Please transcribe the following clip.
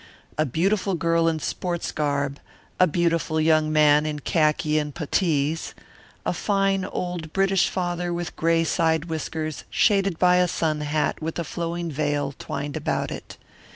A beautiful girl in sports garb, a beautiful young man in khaki and puttees, a fine old British father with gray side whiskers shaded by a sun hat with a flowing veil twined about it.